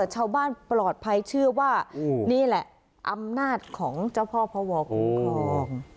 ชาวบ้านปลอดภัยเชื่อว่านี่แหละอำนาจของเจ้าพ่อพวคุ้มครอง